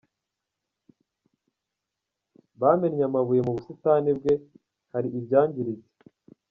Bamennye amabuye mu busitani bwe, hari ibyangiritse.